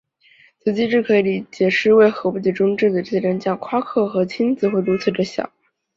此机制可以解释为何微中子的质量相较夸克和轻子会如此地小。